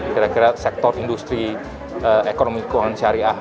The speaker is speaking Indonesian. kira kira sektor industri ekonomi keuangan syariah